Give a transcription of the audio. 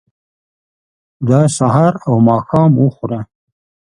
دا سهار او ماښام وخوره.